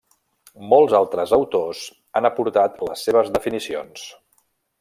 Molts altres autors han aportat les seves definicions.